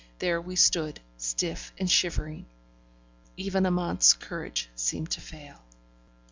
There we stood, stiff and shivering. Even Amante's courage seemed to fail.